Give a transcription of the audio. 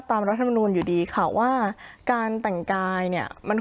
เพราะฉะนั้นทำไมถึงต้องทำภาพจำในโรงเรียนให้เหมือนกัน